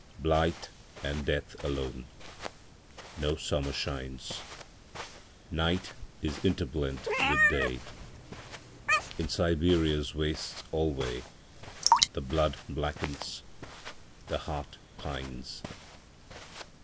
Blight and death alone.No summer shines. Night is interblent with Day.In Siberia's wastes alwayThe blood blackens, the heart pines.